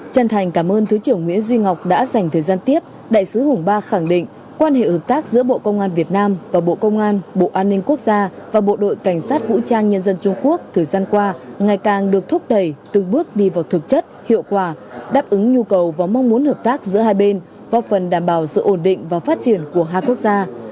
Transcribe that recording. chân thành cảm ơn thứ trưởng nguyễn duy ngọc đã dành thời gian tiếp đại sứ hùng ba khẳng định quan hệ hợp tác giữa bộ công an việt nam và bộ công an bộ an ninh quốc gia và bộ đội cảnh sát vũ trang nhân dân trung quốc thời gian qua ngày càng được thúc đẩy từng bước đi vào thực chất hiệu quả đáp ứng nhu cầu và mong muốn hợp tác giữa hai bên và phần đảm bảo sự ổn định và phát triển của hai quốc gia